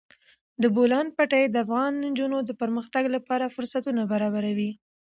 د بولان پټي د افغان نجونو د پرمختګ لپاره فرصتونه برابروي.